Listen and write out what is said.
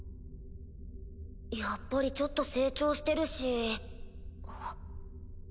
やっぱりちょっと成長してるし。